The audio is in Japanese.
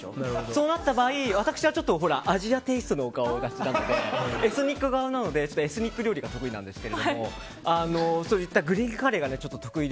そうなった場合、私はアジアテイストのお顔立ちなのでエスニック顔なのでエスニック料理が得意なんですがグリーンカレーが得意